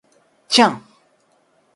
Tiens !